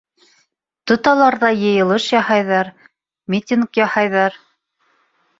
Тоталар ҙа йыйылыш яһайҙар, митинг яһайҙар.